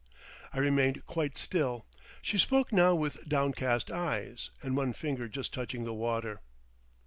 I remained quite still. She spoke now with downcast eyes, and one finger just touching the water.